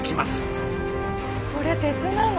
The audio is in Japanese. これ鉄なの？